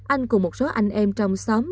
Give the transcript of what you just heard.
anh cùng một số anh em trong xóm